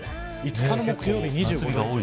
５日の木曜日２５度。